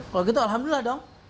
kalau gitu alhamdulillah dong